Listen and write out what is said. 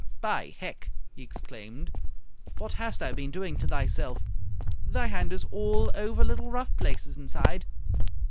"By Hec!" he exclaimed. "What hast thou been doing to thyself? Thy hand is all over little rough places inside.